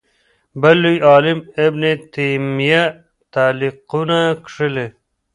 بل لوی عالم ابن تیمیه تعلیقونه کښلي